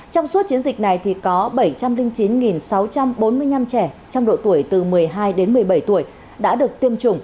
trong suốt chiến dịch này có bảy trăm linh chín sáu trăm bốn mươi năm trẻ